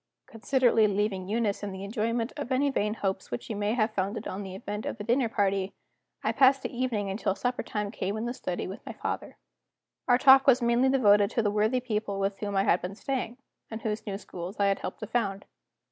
Considerately leaving Eunice in the enjoyment of any vain hopes which she may have founded on the event of the dinner party, I passed the evening until supper time came in the study with my father. Our talk was mainly devoted to the worthy people with whom I had been staying, and whose new schools I had helped to found.